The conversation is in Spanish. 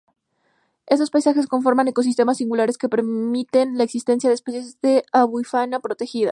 Estos paisajes conforman ecosistemas singulares que permiten la existencia de especies de avifauna protegida.